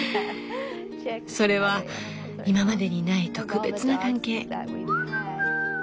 それは今までにない特別な関係。